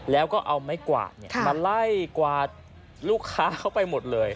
แล้วก็เอาไม้กวาดมาไล่กวาดลูกค้าเข้าไปหมดเลย